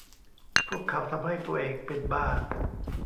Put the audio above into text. พวกเขาทำให้ตัวเองเป็นบ้า